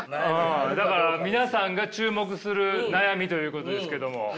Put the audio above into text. だから皆さんが注目する悩みということですけども。